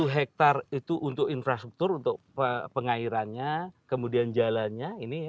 satu hektare itu untuk infrastruktur untuk pengairannya kemudian jalannya